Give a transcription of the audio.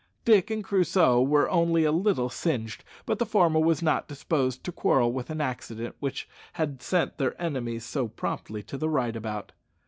Dick and Crusoe were only a little singed, but the former was not disposed to quarrel with an accident which had sent their enemies so promptly to the right about.